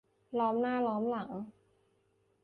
ล้อมหน้าล้อมหลัง